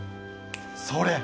それ！